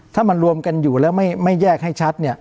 ถ้ามันรวมกันอยู่แล้วไม่แยกให้ชัด